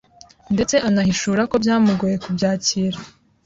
ndetse anahishura ko byamugoye kubyakira